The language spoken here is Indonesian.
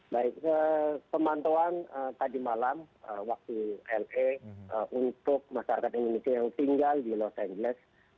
baik pemantauan tadi malam waktu la untuk masyarakat indonesia yang tinggal di los angeles